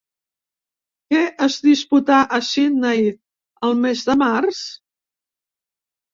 Què es disputà a Sydney el mes de març?